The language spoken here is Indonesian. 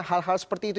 hal hal seperti itu